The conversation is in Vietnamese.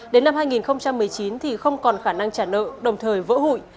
đến năm hai nghìn một mươi chín thì không còn khả năng trả nợ đồng thời vỡ hụi